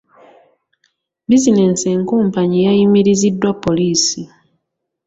Bizinensi enkumpanyi yayimiriziddwa poliisi.